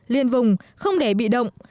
liên vùng không để bị động